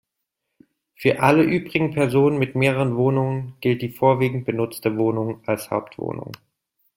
Für alle übrigen Personen mit mehreren Wohnungen gilt die vorwiegend benutzte Wohnung als Hauptwohnung.